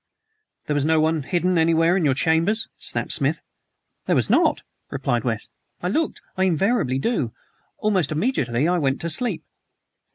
"There was no one hidden anywhere in your chambers?" snapped Smith. "There was not," replied West. "I looked. I invariably do. Almost immediately, I went to sleep."